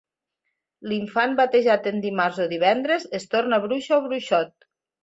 L'infant batejat en dimarts o divendres, es torna bruixa o bruixot.